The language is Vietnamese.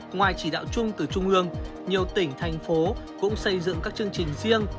ngoài chỉ đạo chung từ trung ương nhiều tỉnh thành phố cũng xây dựng các chương trình riêng